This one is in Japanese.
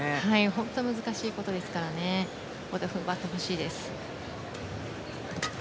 本当に難しいことですから踏ん張ってほしいです。